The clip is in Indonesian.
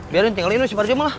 biarin tinggalin si barjum lah